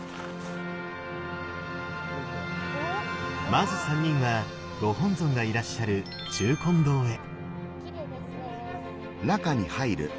まず三人はご本尊がいらっしゃる中金堂へ。